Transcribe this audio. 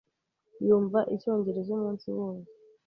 Yumva icyongereza umunsi wose.